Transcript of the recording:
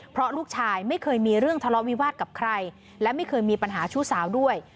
เพราะลูกชายไม่เคยมีเรื่องทะเลาะวิวาสกับใครและไม่เคยมีปัญหาชู้สาวด้วย